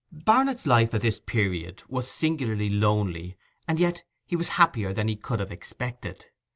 Barnet's life at this period was singularly lonely, and yet he was happier than he could have expected.